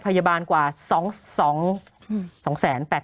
โหยวายโหยวายโหยวาย